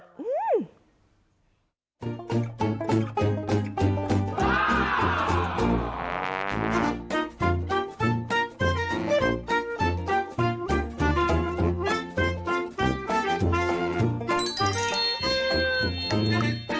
หวัง